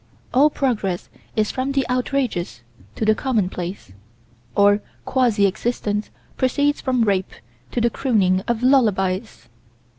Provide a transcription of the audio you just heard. All progress is from the outrageous to the commonplace. Or quasi existence proceeds from rape to the crooning of lullabies.